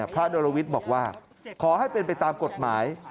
นรวิทย์บอกว่าขอให้เป็นไปตามกฎหมาย